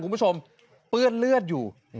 คุณผู้ชมเปื้อนเลือดอยู่